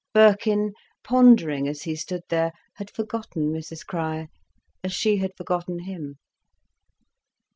Birkin, pondering as he stood there, had forgotten Mrs Crich, as she had forgotten him.